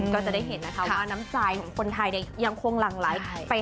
กันนั้นก็ขอแผ่งกำลังใจเลยครับเด้อ